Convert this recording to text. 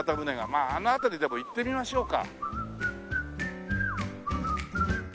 まああの辺りでも行ってみましょうか。